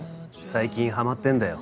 最近はまってんだよ